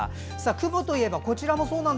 雲といえば、こちらも。